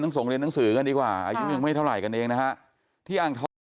ส่งเรียนหนังสือกันดีกว่าอายุยังไม่เท่าไหร่กันเองนะฮะที่อ่างทอง